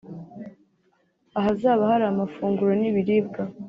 ahazaba hari amafunguro n’ibiribwa